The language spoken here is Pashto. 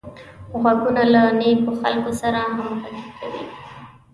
غوږونه له نېکو خلکو سره همغږي کوي